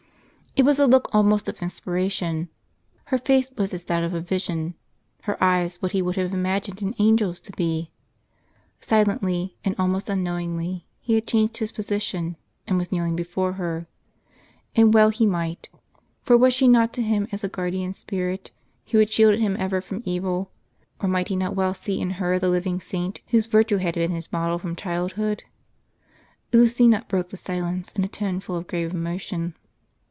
It was a look almost of in spiration ; her face was as that of a vision ; her eyes what he would have imagined an angel's to be. Silently, and almost unknowingly, he had changed his position, and was kneeling before her; and well he might; for was she not to him as a guardian sj^irit, who had shielded him ever from evil; or might he not well see in her the living saint whose virtues had been his model from childhood? Lucina broke the silence, in a tone full of grave emotion.